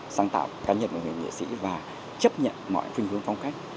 sáng tạo cá nhân của người nghệ sĩ và chấp nhận mọi phương hướng phong cách